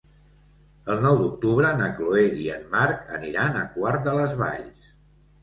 El nou d'octubre na Chloé i en Marc aniran a Quart de les Valls.